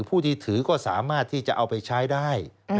ผู้ที่ถือก็สามารถที่จะเอาไปใช้ได้